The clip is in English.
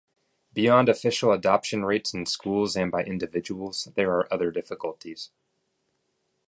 Beyond official adoption rates in schools and by individuals, there are other difficulties.